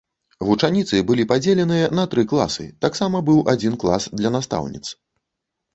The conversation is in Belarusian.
Вучаніцы былі падзеленыя на тры класы, таксама быў адзін клас для настаўніц.